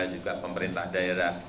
juga pemerintah daerah